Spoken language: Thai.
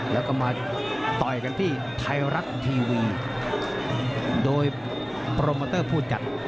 แล้วก็มาต่อยกันที่ไทยรัฐทีวีโดยโปรโมเตอร์พูดกัน